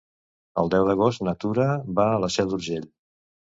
El deu d'agost na Tura va a la Seu d'Urgell.